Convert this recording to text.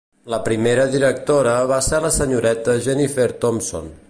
La primera directora va ser la senyoreta Jennifer Thompson.